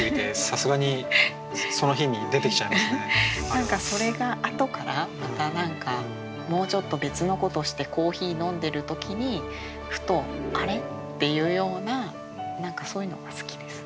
何かそれがあとからまた何かもうちょっと別のことしてコーヒー飲んでる時にふと「あれ？」っていうようなそういうのが好きです。